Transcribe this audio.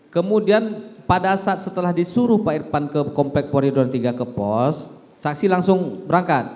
kemudian pada saat setelah disuruh pak irfan ke komplek pori dua puluh tiga ke pos saksi langsung berangkat